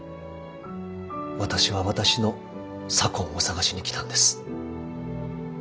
私は私の左近を探しに来たんです。